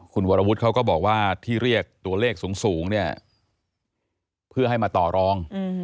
คุณวรวุฒิเขาก็บอกว่าที่เรียกตัวเลขสูงเนี่ยเพื่อให้มาต่อรอง